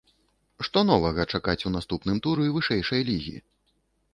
Што новага чакаць у наступным туры вышэйшай лігі?